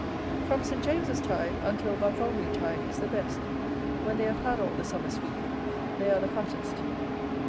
From St. James's tide until Bartholomew tide is the best; when they have had all the summer's food, they are the fattest.